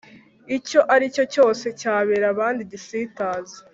icyo ari cyo cyose cyabera abandi igisitaza